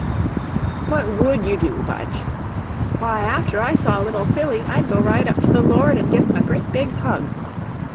"What WOULD you do, Budge?" "Why, after I saw little Phillie, I'd go right up to the Lord an' give him a great big hug."